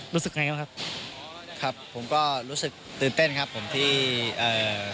รู้สึกไงบ้างครับครับผมก็รู้สึกตื่นเต้นครับผมที่เอ่อ